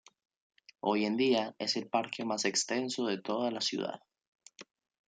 Hoy en día es el parque más extenso de toda la ciudad.